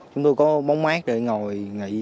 chúng tôi có bóng mát để ngồi nghỉ